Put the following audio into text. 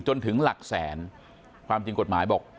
จนถึงหลักแสนความจริงกฎหมายบอก